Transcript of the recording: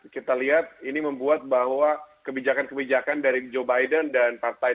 kita lihat ini membuat bahwa kebijakan kebijakan dari joe biden dan partai